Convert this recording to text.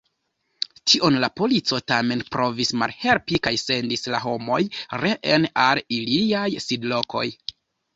Tion la polico tamen provis malhelpi kaj sendis la homoj reen al iliaj sidlokoj.